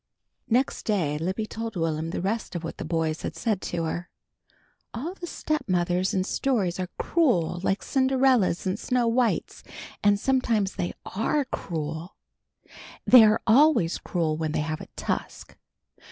Next day, Libby told Will'm the rest of what the boys had said to her. "All the stepmothers in stories are cruel like Cinderella's and Snow white's, and sometimes they are cruel. They are always cruel when they have a tusk."